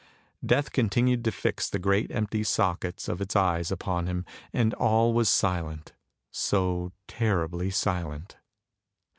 Death continued to fix the great empty sockets of its eyes upon him, and all was silent, so terribly silent.